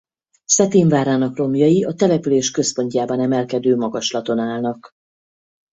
Cetin várának romjai a település központjában emelkedő magaslaton állnak.